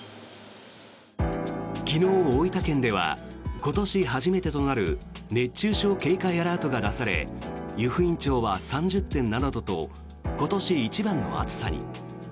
昨日、大分県では今年初めてとなる熱中症警戒アラートが出され湯布院町は３０．７度と今年一番の暑さに。